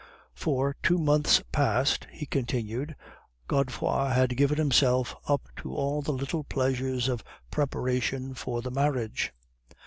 "For two months past," he continued, "Godefroid had given himself up to all the little pleasures of preparation for the marriage.